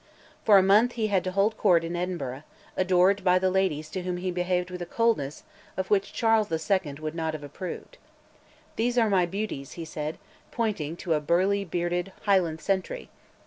For a month he had to hold court in Edinburgh, adored by the ladies to whom he behaved with a coldness of which Charles II. would not have approved. "These are my beauties," he said, pointing to a burly bearded Highland sentry.